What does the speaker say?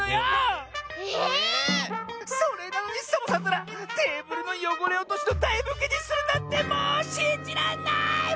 ええ⁉それなのにサボさんったらテーブルのよごれおとしのだいふきにするなんてもうしんじらんない！